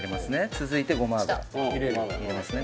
続いてごま油入れますね